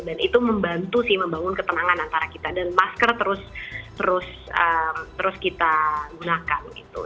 dan itu membantu sih membangun ketenangan antara kita dan masker terus kita gunakan gitu